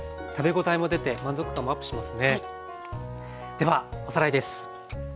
ではおさらいです。